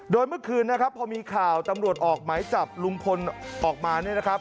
โดยเมื่อคืนนะครับพอมีข่าวตำรวจออกหมายจับลุงพลออกมาเนี่ยนะครับ